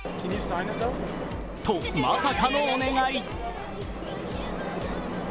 と、まさかのお願い。